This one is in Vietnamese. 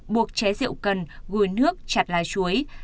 buộc trái rượu cần gùi nước chặt lá chuối